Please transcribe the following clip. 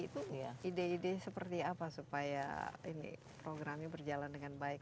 itu ide ide seperti apa supaya programnya berjalan dengan baik